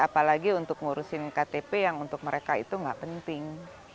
apalagi untuk ngurusin ktp yang untuk mereka itu nggak penting